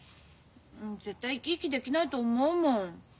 絶対生き生きできないと思うもん。